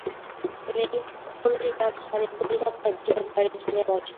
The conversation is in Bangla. এখন তিনি পল্লীগ্রাম ছাড়িয়া কলিকাতায় বৃহৎ বাড়ি কিনিয়া বাস করিতেছেন।